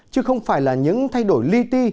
chứ không phải là những thay đổi ly ti